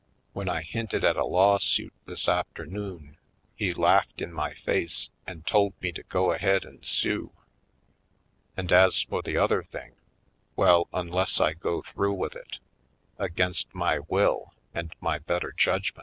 When I hinted at a lawsuit this afternoon he laughed in my face and told m.e to go ahead and sue. And, as for the other thing —well, unless I go through with it, against my will and my better judgm.